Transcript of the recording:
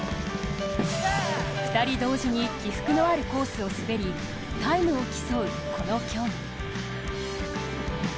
２人同時に起伏のあるコースを滑りタイムを競う、この競技。